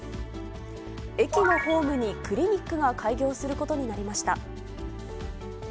駅のホームにクリニックが開業することになりました。